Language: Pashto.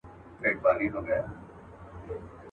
نیکه ویل چي دا پنځه زره کلونه کیږي.